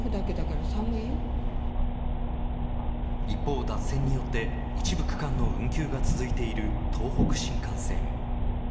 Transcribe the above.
一方、脱線によって一部区間の運休が続いている東北新幹線。